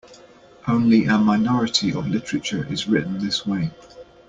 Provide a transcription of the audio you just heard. Only a minority of literature is written this way.